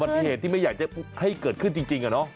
มันเป็นบัตรเหตุที่ไม่อยากให้เกิดขึ้นจริงอะเนาะ